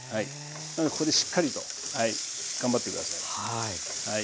ここでしっかりと頑張って下さい。